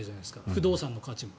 不動産の価値が。